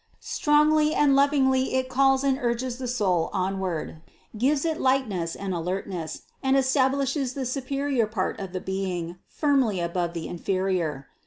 Strongly and lovingly it calls and urges the soul onward, gives it lightness and alertness, and establishes the superior part of the being firmly above the inferior.